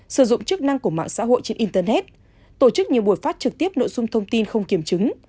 sử dụng chức năng của mạng xã hội trên internet tổ chức nhiều buổi phát trực tiếp nội dung thông tin không kiểm chứng